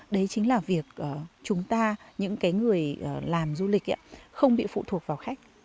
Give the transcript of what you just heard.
đấy chính là việc chúng ta những người làm du lịch không bị phụ thuộc vào khách